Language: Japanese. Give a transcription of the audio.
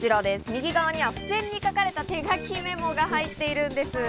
右側には付箋に書かれた手書きメモが入っているんです。